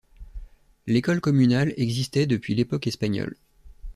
L'école communale existait depuis l'époque espagnole.